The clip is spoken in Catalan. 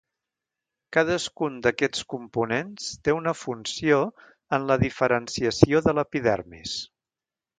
Cadascun d'aquests components té una funció en la diferenciació de l'epidermis.